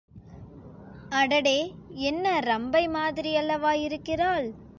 அடடே என்ன ரம்பை மாதிரியல்லவா இருக்கிறாள்!